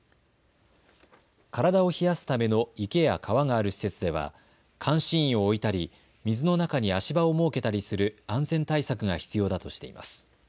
体を冷やすための池や川がある施設では監視員を置いたり水の中に足場を設けたりする安全対策が必要だとしています。